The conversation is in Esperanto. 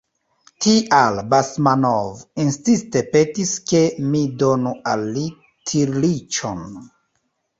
Tial Basmanov insiste petis, ke mi donu al li tirliĉon.